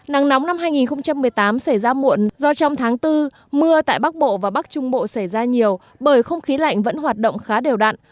nắng nóng năm hai nghìn một mươi tám xảy ra muộn do trong tháng bốn mưa tại bắc bộ và bắc trung bộ xảy ra nhiều bởi không khí lạnh vẫn hoạt động khá đều đặn